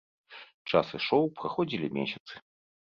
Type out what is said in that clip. Час ішоў, праходзілі месяцы.